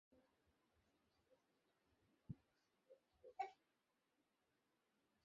আমার third year পর্যন্ত শেষ করেছিলাম।